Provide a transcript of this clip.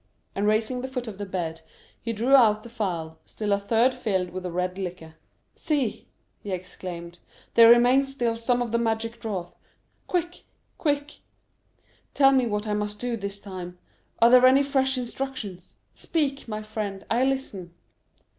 And raising the foot of the bed, he drew out the phial, still a third filled with the red liquor. "See," he exclaimed, "there remains still some of the magic draught. Quick, quick! tell me what I must do this time; are there any fresh instructions? Speak, my friend; I listen."